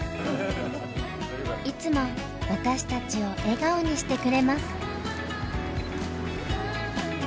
いつも私たちを笑顔にしてくれます。